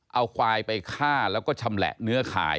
เอาควายไปฆ่าแล้วก็ชำแหละเนื้อขาย